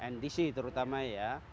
ndc terutama ya